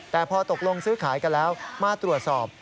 แต่พอตกลงซื้อขายกันแล้วมาตรวจสอบ